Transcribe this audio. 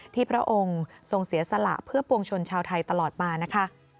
พระองค์ทรงเสียสละเพื่อปวงชนชาวไทยตลอดมานะคะ